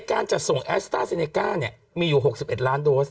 การจะส่งแอสตาร์เซเนก้ามีอยู่๖๑ล้านโดส